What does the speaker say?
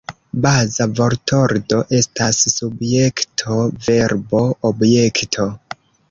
Baza vortordo estas Subjekto-Verbo-Objekto.